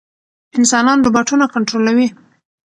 انسانان روباټونه کنټرولوي.